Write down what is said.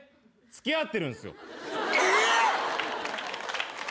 付き合ってるんすね。